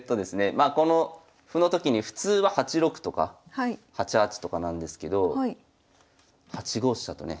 まあこの歩のときに普通は８六とか８八とかなんですけど８五飛車とね。